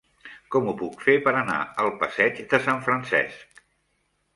Com ho puc fer per anar al passeig de Sant Francesc?